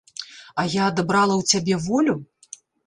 А я адабрала ў цябе волю?